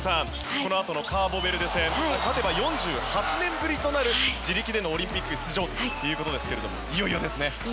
このあとのカーボベルデ戦勝てば４８年ぶりとなる自力でのオリンピック出場ということですがいよいよですね。